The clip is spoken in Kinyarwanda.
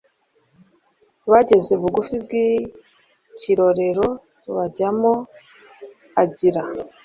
Bageze bugufi bw ikirorero bajyagamo agira